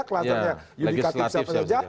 klasternya yudikatif siapa saja